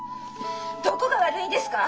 どこが悪いんですか！？